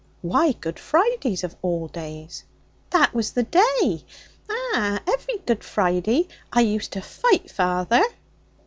'Why Good Fridays, of all days?' 'That was the day. Ah! every Good Friday I was used to fight feyther!'